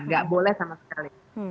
tidak boleh sama sekali